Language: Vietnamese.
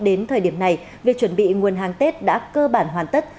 đến thời điểm này việc chuẩn bị nguồn hàng tết đã cơ bản hoàn tất